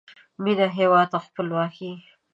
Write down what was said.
مینه، هیواد او خپلواکۍ